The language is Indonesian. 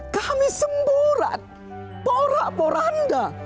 kami semburat porak poranda